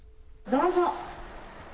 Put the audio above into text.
どうぞ。